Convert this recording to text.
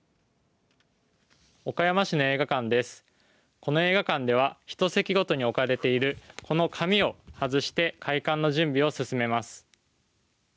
この映画館では１席ごとに置かれているこの紙を外して開館の準備を進めます。